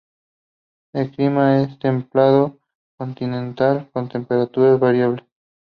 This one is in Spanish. El clima es templado continental con temperaturas variables.